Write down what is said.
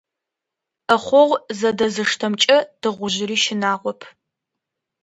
Ӏэхъогъу зэдэзыштэмкӏэ тыгъужъыри щынагъоп.